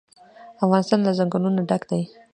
افغانستان له ځنګلونه ډک دی.